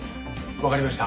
わかりました。